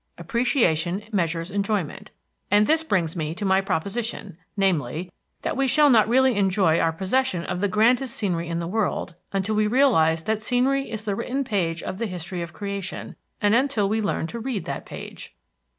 Appreciation measures enjoyment. And this brings me to my proposition, namely, that we shall not really enjoy our possession of the grandest scenery in the world until we realize that scenery is the written page of the History of Creation, and until we learn to read that page.